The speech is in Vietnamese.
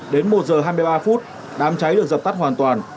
đến một giờ hai mươi ba phút đám cháy được dập tắt hoàn toàn